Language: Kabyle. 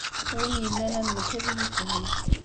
Win yellan am nekk, ad iyi-ifhem.